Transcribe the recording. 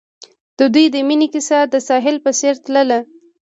د دوی د مینې کیسه د ساحل په څېر تلله.